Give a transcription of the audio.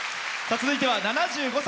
続いては７５歳。